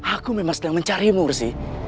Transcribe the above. aku memang sedang mencarimu rizky